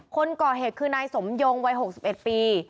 คนก่อเหตุคือนายสมยงวัยหกสิบเอ็ดปี